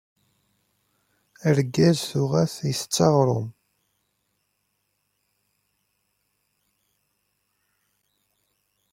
Argaz tuɣa-t ittet aɣrum.